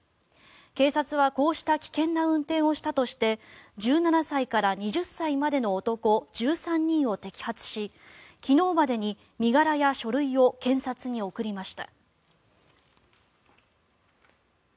警察はこうした危険な運転をしたとして１７歳から２０歳までの男１３人を摘発し昨日までに身柄や書類を検察に送りました。